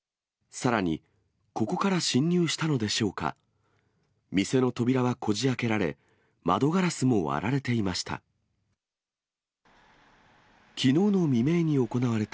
さらに、ここから侵入したのでしょうか、店の扉はこじあけられ、窓ガラスも割られていました。